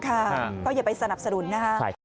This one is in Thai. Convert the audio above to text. ค่ะก็อย่าไปสนับสะดุลนะครับ